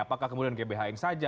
apakah kemudian gbhn saja